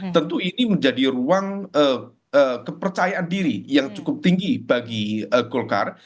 tentu ini menjadi ruang kepercayaan diri yang cukup tinggi bagi golkar